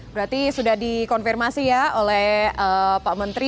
berarti sudah dikonfirmasi ya oleh pak menteri